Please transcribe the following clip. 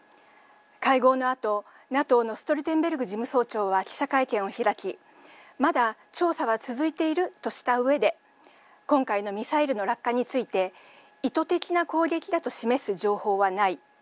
会合のあとＮＡＴＯのストルテンベルク事務総長は記者会見を開きまだ、調査は続いているとしたうえで今回のミサイルの落下について意図的な攻撃だと示す情報はない。